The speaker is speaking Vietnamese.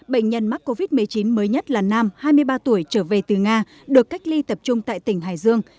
bệnh nhân mắc covid một mươi chín mới nhất là nam hai mươi ba tuổi trở về từ nga được cách ly tập trung tại tỉnh hải dương